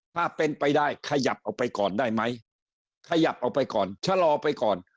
ถ้าเป็นไปได้ขยับออกไปก่อนได้ไหมขยับออกไปก่อนชะลอไปก่อน